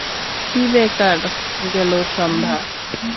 কি বেকার গেলো সন্ধ্যা!